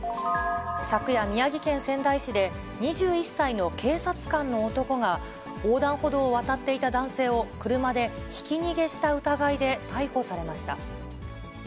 昨夜、宮城県仙台市で、２１歳の警察官の男が、横断歩道を渡っていた男性を車でひき逃げした疑いで逮捕されました。